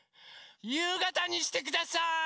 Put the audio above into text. ゆうがたにしてください！